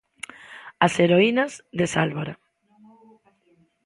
As heroínas de Sálvora.